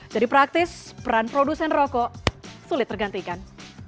jadi praktis peran produsen rokok sulit tergantikan